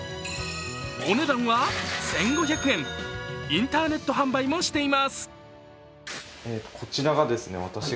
お値段は１５００円、インターネット販売もしています。